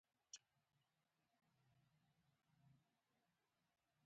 خپلې نورې ښځې طلاقې کړې.